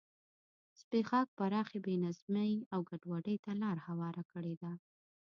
زبېښاک پراخې بې نظمۍ او ګډوډۍ ته لار هواره کړې ده.